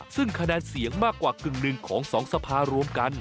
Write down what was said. ซึ่งคะแนนเสียงมากกว่ากึ่งหนึ่งของ๒สภารวมกัน